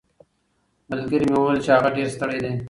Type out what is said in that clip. ملګري مې وویل چې هغه ډېر ستړی دی.